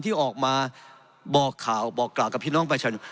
ที่ออกมาบอกข่าวบอกกล่าวกับพี่น้องประชาชน